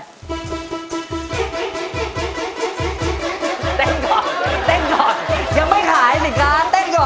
เต้นก่อนเต้นก่อนยังไม่ขายสิคะเต้นก่อน